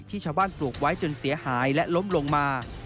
ชาวบ้านปลูกไว้จนเสียหายและล้มลงมา